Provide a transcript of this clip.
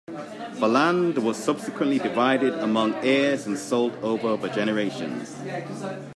The land was subsequently divided among heirs and sold over the generations.